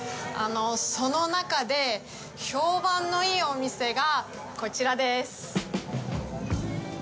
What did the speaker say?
その中で、評判のいいお店がこちらです。